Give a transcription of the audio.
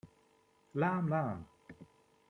Lám, lám!